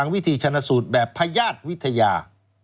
วิธีชนะสูตรแบบพญาติวิทยา